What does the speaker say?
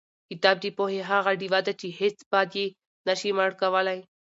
کتاب د پوهې هغه ډیوه ده چې هېڅ باد یې نشي مړ کولی.